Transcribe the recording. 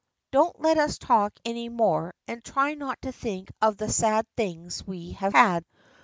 Don't let us talk any more, and try not to think of the sad things we have had.